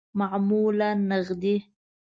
معمولاً نغدی